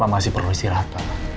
masih beristirahat pak